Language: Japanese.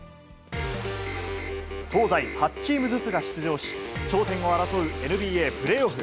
東西８チームずつが出場し、頂点を争うＮＢＡプレーオフ。